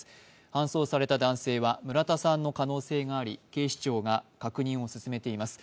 搬送された男性は村田さんの可能性があり警視庁が確認を進めています。